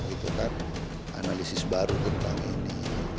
itu kan analisis baru tentang ini